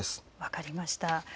分かりました。